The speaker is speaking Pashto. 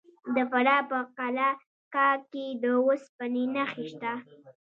د فراه په قلعه کاه کې د وسپنې نښې شته.